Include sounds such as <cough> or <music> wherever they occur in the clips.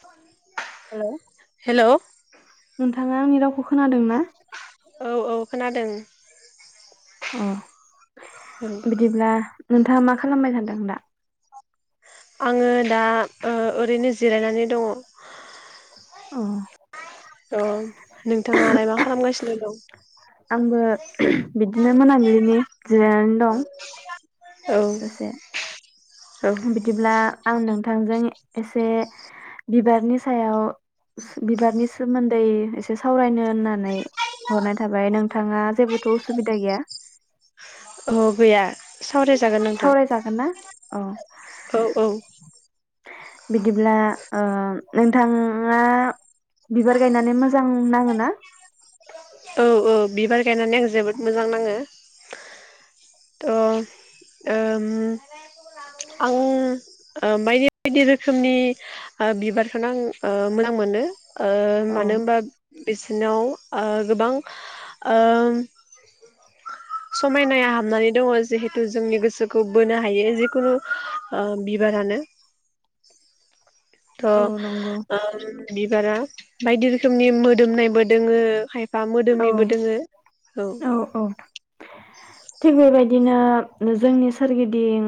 फानि हेलौ नोंथां आ आंनि रावखौ खोनादों ना? औ खोनादों अ औ बिदिब्ला नोंथाङा मा खालामबाय थाद? आं दा आङो दा ओ ओरैनो जिरायनानै दङ अ औ नोंथाङालाय मा खालामगासिनो? औ आंबो बिदिनो मोनाबिलिनि जिरायनानै दं दसे औ औ बिदिब्ला आं नों नोथांजों एसे बिबारनि सायाव बिबारनि सोमोन्दै एसे सावरायनो होननानै हरनाय थाबाय नोंथाङा जेबोथ उसुबिदा गैया? ओहो गैया सावरायजागोन नोंथां सावरायजागोन ना? अ औ औ बिदिब्ला ओ नोंथाङा बिबार गायनानै मोजां नाङो ना? औ औ बिबार गायनानै आं जोबोद मोजां नाङो थ ओम आं बायदि बायदि रोखोमनि बिबारखौनो आं ओ मोजां मोनो ओ औ मानो होमबा बिसोरनाव ओ गोबां ओ समायनाय हाबनानै दङ जिहेथु जोंनि गोसोखौ बोनो हायो जिखुनु ओ बिबारानो थ औ नंगौ ओम बिबारा बायदि रोखोमनि मोदोमनायबो दोङो खाय फा औ मोदोमिबो दोङो औ। थिग बेबायदिनो जोंनि सोरगिदिं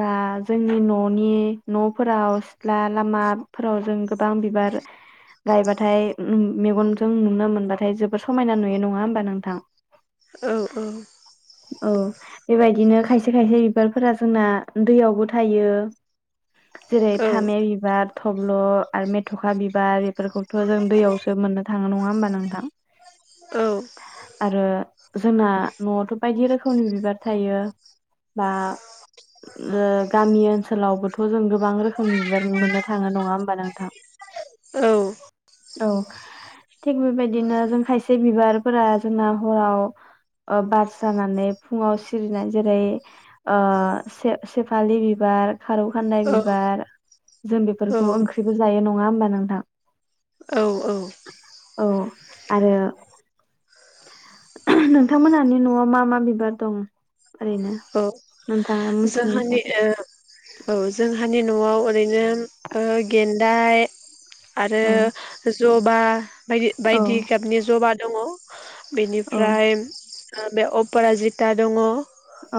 बा जोंनि ननि न फोराव सित्ला लामाफोराव जों गोबां बिबार गायबाथाय मेगनजों नुनो मोनबाथाय जोब समायना नुयो नङा होमबा नोंथां? औ औ। औ। बेबायदिनो खायसे खायसे बिबारफोरा जोंना दैयावबो थायो। जेरै औ फामे बिबार थब्ल' आरो मेथ'खा बिबार बेफोरफोरखौ जों दैयावसो मोननो थाङो। ना नङा होनबा नोंथां? औ आरो जोंना न'आवथ' बायदि रोखोमनि बिबार थायो। बा ओ गामि ओनसोलावबोथ' जों गो बां रोखोमनि बिबार मोननो थाङो नङा होमबा नोंथां? औ औ थिग बेबायदिनो खायसे बिबारफोरा जोंना हराव ओ बार जानानै फुङाव सिरिनाय। जेरै ओ सेप-सेफालि बिबार खारौ खानदाय बिबार। जों औ बेफोरखौ ओंख्रिबो जायो न नङा होनबा नोंथां? औ औ। औ। आरो नोंथांमोनहानि न'आव मा मा बिबार दं? ओरैनो औ नोंथाङा मिथिनाय जोंहानि हिसाबै? औ जोंहानि न'आव ओरैनो ओ गेन्दा आरो औ जबा बायदि औ बायदि गाबनि ज'बा दङ। औ बेनिफ्राय बे अपराजिता दङ।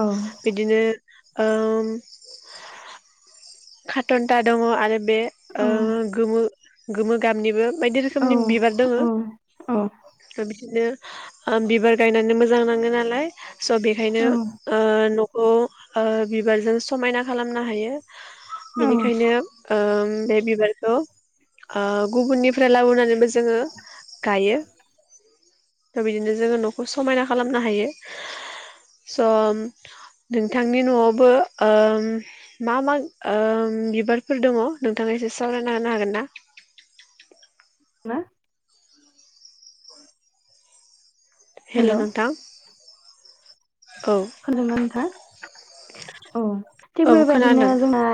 औ बिदिनो ओम खाटनथा दङ आरो बे ओ औ गोमो गोमो गाबनिबो बायदि औ रोखोमनि बिबार दोङो। औ बिदिनो ओ बिबार गायनानै मोजां नाङो नालाय स' बेखायनो औ ओ न खौ ओ बिबारजों समायना खालामनो हायो। औ बेनिखायनो ओम बे बिबारखौ ओ गुबुननिफ्राय लाबोनानैबो जोङो गायो। थ' बिदिनो जोङो न'खौ समायना खालामनो हायो स' नोंथांनि न'आवबो मा मा बिबारफोर दङ नोंथाङा एसे सावरायना होनो हागोन ना मा हेल' नोंथां औ खोनादोंना नोंथा औ थिग औ बेबायदिनो खोनादों जोंना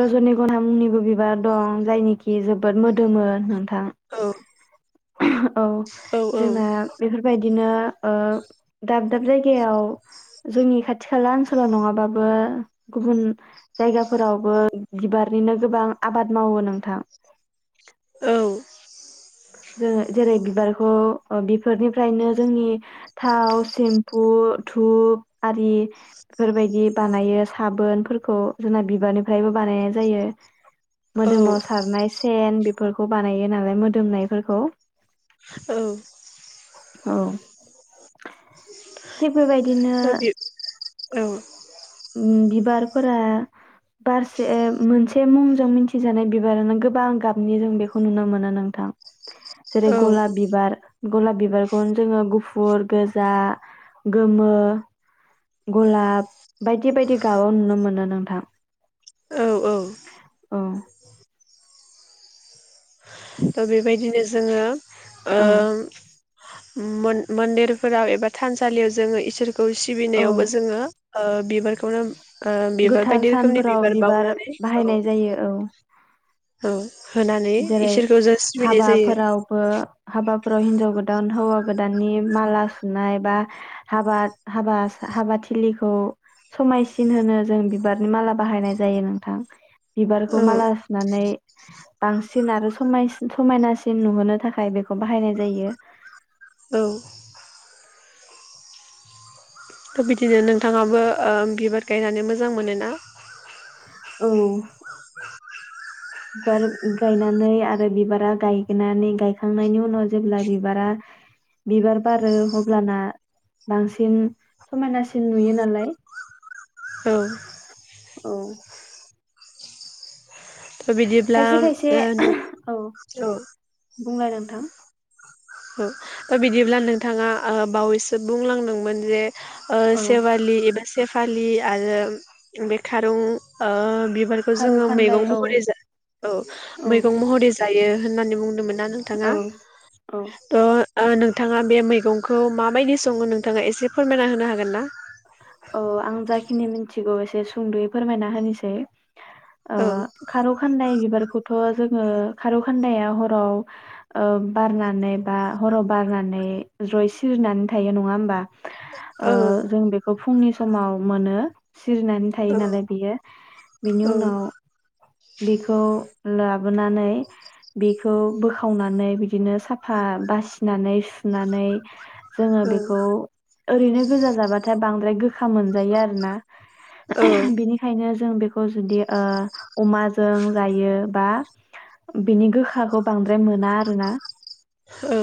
रजनि गना मुंनिबो बिबार दं जायनिखि जोबोद मोदोमो नों थां औ औ जोंना बेफोर बेबायदिनो दाब दाब जायगा गायाव जोंनि खाथि खाला ओनसोलाव नङाबाबो गुबुन जायगाफोरावबो बिबारनिनो गोबां आबाद मावो नोंथां औ जोङो जेरै बिबारखौ बिफोरनिफ्रायनो जोंनि थाव सेम्फु धुप आरि बेफोरबायदि बानायो साबोनफोरखौ जोंना बिबारनिफ्रायबो बानायनाय जायो औ मोदोमाव सारनाय सेन बेफोरखौ बानायो नालाय मोद दोमनायफोरखौ। औ औ बेबायदिनो दा बे औ बिबार फोरा बारसे मोनसे मुंजों मिथिजानाय बिबारानो गोबां गाबनि जों बेखौ नुनो मोनो नों थां जेरै औ गलाब बिबार गलाब बिबारखौनो जोङो गुफुर गोजा गोमो गलाब बायदि बायदि गाबाव नुनो मोनो नोंथां औ औ त' बेबायदिनो जोङो ओ मन्दिरफोराव एबा थानसालियाव जो इसोर खौ औ सिबिनायावबो जोङो बिबारखौनो ओ बिबार गोथार बायदि रोखोमनि सानफोराव बिबार बावनानै औ बाहायनाय जायो औ औ होनानै जेरै इसोरखौ जों सिबिनाय जायो हाबाफोरावबो हाबा हराव हिनजाव गोदान हौवा गोदाननि माला सुनाय बा हाबा हाबा हाबाथिलिखौ समायसिन होनो जों बिबारनि माला बाहायनाय जायो नोंथां। बिबारखौ औ माला सुनानै बांसिन आरो समायनासिन नुहोनो थाखाय बेखौ बाहायनाय जायो। औ। थ' बिदिनो नोंथाङाबो बिबार गायनानै मोजां मोनोना औ। बिबार गायनानै आरो बिबारा गायनानै गायखांनायनि उनाव जेब्ला बिबारा बिबार बारो अब्लाना बांसिन समायनासिन नुयो नालाय औ औ। थ' बिदिब्ला खायसे खायसे औ औ बुंलाय नोंथां। बिदिब्ला नोंथाङा ओ बावैसो बुंलांदोंमोन जे ओ औ सेवालि सेफालि आरो बे खारौ बिबारखौ खारौ जोङो खान्दाय मैगं औ महरै जा औ औ मैगं महरै जायो होननानै बुंदोंमोन ना औ नोंथाङा औ ओ ओ नोंथाङा बे मैगंखौ माबायदि सङो नोंथाङा एसे फोरमायना होनो हागोन ना औ आं जाखिनि मिथिगौ एसे सुंद'यै फोरमायना होनोसै ओ औ खारौ खाननाय बिबारखौ थ' जोङो खारौ खान्दाया हराव ओ बारनानै बा हराव बारनानै जय सिरिनानै थायो नङा होमबा ओ औ जों बे फुंनि समाव मोनो सिरिनानै थायो औ नालाय बियो बेनि औ उनाव बेखौ लाबोनानै बेखौ बोखावनानै बिदिनो साफा बासिनानै सुनानै जोङो औ बेखौ ओरैनो गोजा जाबाथाय बांद्राय गोखा मोनजायो आरो ना औ बिनिखायनो जों बेखौ जुदि ओ अमाजों जायो बा बिनि गोखाखौ बांद्राय मोना आरोना। औ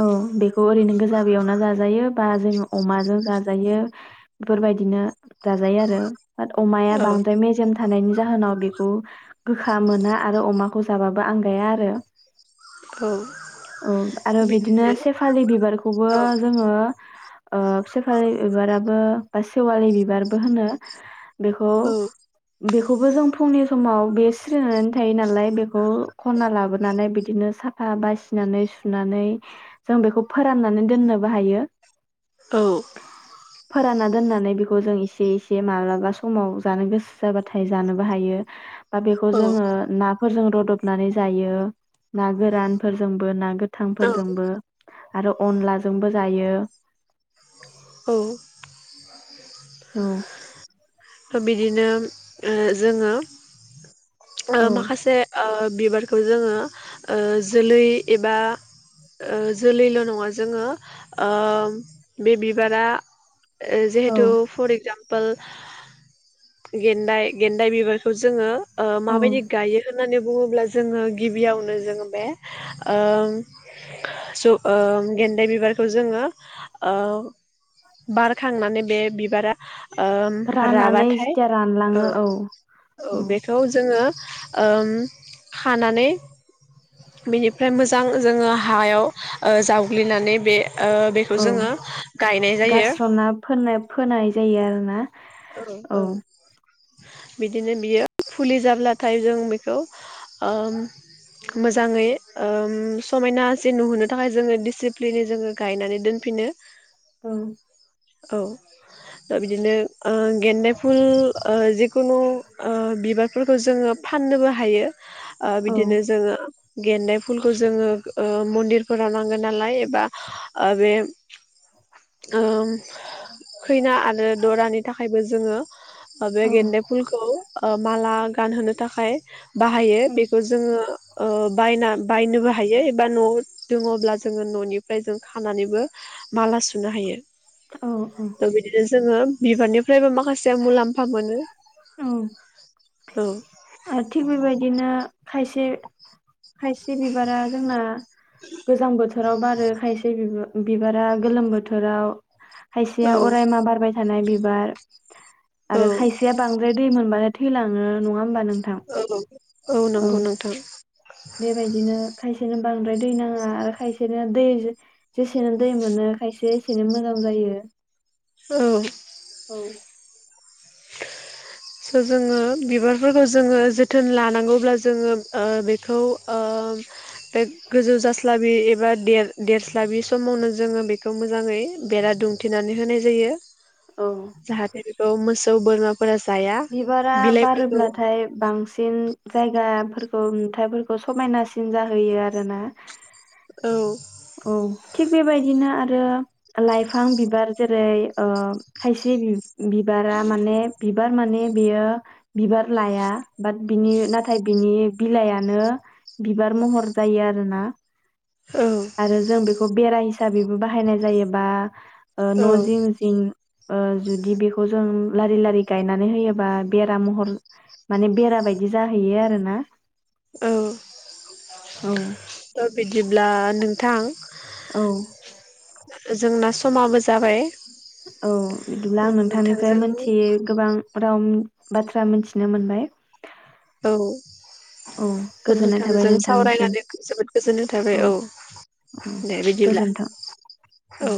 औ बे बेखौ ओरैनो गोजा बेयावना जाजायो बा जोङो अमाजों जाजायो बेफोरबायदिनो जाजायो आरो बाट अमाया औ बांद्राय मेजेम थानायनि जाहोनाव बेखौ गोखा मोना आरो अमाखौ जाबाबो आंगाया आरो औ औ आरो बिदिनो सेफालि बिबारखौबो औ जोङो ओ सेफालि बिबाराबो बा सेवालि बिबारबो होनो बेखौ औ बेखौबो जों फुंनि समाव बे सिरिनानै थायो नालाय बे खौ खना लाबोनानै बि बिदिनो साफा बासिनानै सुनानै जों बेखौ फोराननानै दोननोबो हायो औ फोरानना दोननानै बेखौ जों एसे एसे माब्लाबा समाव जानो गोसो जाबाथाय जानोबो हायो दा बेखौ औ जोङो ना फोरजों रदबनानै जायो ना गोरानफोरजोंबो ना औ गोथांफोरजोंबो आरो अनलाजोंबो जायो औ द <inaudible> औ बिदिनो ओ जोङो ओ औ माखासे आ बिबारखौ जोङो ओ जोलै एबा ओ जोलैल' नङा जोङो ओ बे बिबारा औ जिहेतु फर एकजामफोल आमपोल गेन्दाइ गेन्दाइ बिबारखौ जोङो औ माबायदि गायो मानो होननानै बुङोब्ला जोङो गिबियावनो जोङो बे ओ स ओ गेन्दाइ बिबारखौ जोङो ओ बारखांनानै बे बिबारा ओ राननानै राबाथाय जेथिया औ रानलाङो औ बेखौ जोङो ओम खानानै बेनिफ्राय मोजां जोङो हायाव ओ जावग्लिनानै बे ओ बेखौ औ जोङो गायनाय जायो गारस्र'ना फोनाय फोनाय जायो आरो ना औ औ बिदिनो बियो फुलि जाब्लाथाय जों बेखौ ओ मोजाङै ओ समायनासिन नुहोनो थाखाय जोङो दिडिसिप्लिनै जोङो गायनानै दोनफिनो <inaudible> औ दा बिदिनो गेन्दे फुल ओ‌ जिखुनु ओ बिबारफोरखौ जोङो फाननोबो हायो ओ‌ औ बिदिनो जोङो गेन्दाय फुलखौ जोङो ओ मन्दिरफोराव नांगोन नालाय एबा ओ‌ बे ओ खैना आरो दरानि थाखायबो जोङो हबे औ गेन्दे फुलखौ माला गानहोनो थाखाय बाहायो बेखौ जोङो ओ बायना बायनोबो हायो एबा न'आव दङब्ला जोङो न'नि बाय जों खानानैबो माला सुनो हायो औ थ' बिदिनो जोङो बिबारनिफ्रायबो माखासे मुलाम्फा मोनो औ औ आथि बेबाय बिदिनो खायसे -खायसे बिबारा जोंना गोजां बोथोराव बारो खायसे बिबारा गोलोम बोथोराव। औ खायसेया अरायमा बारबाय थानाय <unintelligible> औ आरो खायसेया बांद्राय दै मोनबानो थैलाङो नङा होमबा <unintelligible> औ औ नंगौ नोंथां। बेबायदिनो खायसेनो बांद्राय दै नाङा आरो खायसेनो दै जेसेनो दै मोनो खायसे एसेनो मोजां जायो। औ। औ। स' जोङो बिबारफोरखौ जोङो जोथोन लानांगौब्ला जोङो ओ बेखौ बे गोजौ जास्लाबि एबा देरस्लाबि समावनो जोङो बेखौ मोजाङै बेरा दुंथेनानै होनाय जायो। औ जाहाथे बेखौ <unintelligible> <unintelligible> बोरमा बिबारा बारोब्लाथाय बांसिन जायगा <unintelligible> नुथाइफोरखौ समायनासिन जाहोयो आरोना। औ औ थिग बेबायदिनो आरो लाइफां बिबार जेरै ओ खायसे बिबारा माने बिबार थारमाने बियो बिबार लाया बाट बिनि नाथाय बिनि बिलाइआनो बिबार महर जायो आरोना। औ आरो जों बेखौ बेरा हिसाबैबो बाहायनाय जायोबा ओ औ न' जिं जिं ओ जुदि बेखौ जों लारि -लारि गायनानै होयोबा बेरा महर माने बेरा बायदि जाहैयो आरोना। औ औ थ' बिदिब्ला नोंथां औ जोंना समाबो जाबाय। औ बिदिब्ला आं नोंथांनिफ्राय नोंथांजों मोनथियै गोबां राव बाथ्रा मिथिनो मोनबाय। औ औ गोजोननाय थाबाय नोंथांजों नोंथांनिसिम सावरायनानै जोबोद गोजोन्नाय थाबाय औ औ दे बिदिब्ला गोजोन्थों। औ।